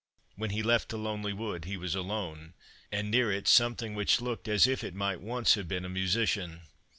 When he left the lonely wood he was alone, and near it something which looked as if it might once have been a musician.